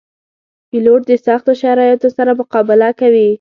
پیلوټ د سختو شرایطو سره مقابله کوي.